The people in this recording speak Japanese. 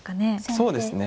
そうですね。